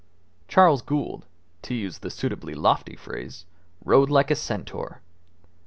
Charles Gould, to use the suitably lofty phrase, rode like a centaur.